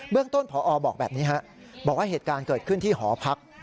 เรื่องต้นพอบอกแบบนี้ฮะบอกว่าเหตุการณ์เกิดขึ้นที่หอพัก